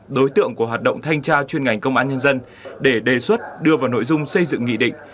đối tượng của hoạt động thanh tra chuyên ngành công an nhân dân để đề xuất đưa vào nội dung xây dựng nghị định